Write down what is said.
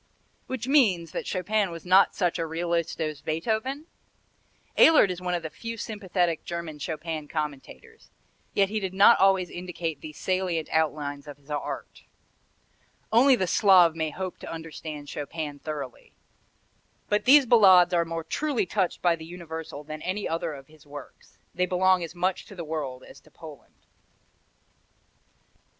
Which means that Chopin was not such a realist as Beethoven? Ehlert is one of the few sympathetic German Chopin commentators, yet he did not always indicate the salient outlines of his art. Only the Slav may hope to understand Chopin thoroughly. But these Ballades are more truly touched by the universal than any other of his works. They belong as much to the world as to Poland.